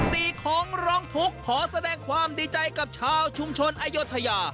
ตีของร้องทุกข์ขอแสดงความดีใจกับชาวชุมชนอายุทยา